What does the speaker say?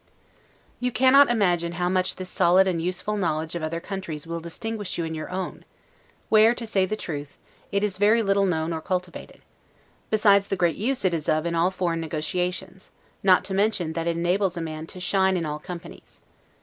You cannot imagine how much this solid and useful knowledge of other countries will distinguish you in your own (where, to say the truth, it is very little known or cultivated), besides the great use it is of in all foreign negotiations; not to mention that it enables a man to shine in all companies.